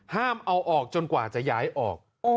ห้ามเอาออกจนกว่าจะย้ายออก